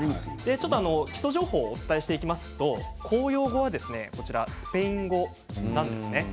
基礎情報をお伝えしていきますと公用語はスペイン語なんですね。